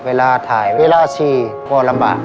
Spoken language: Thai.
เวลาถ่ายเวลาชีก็ลำบาก